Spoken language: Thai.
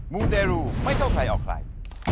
มูเตรูไม่เข้าใครออกใคร